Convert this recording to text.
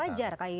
wajar kayak gitu